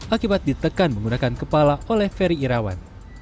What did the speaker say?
akibat ditekan menggunakan kepala oleh ferry irawan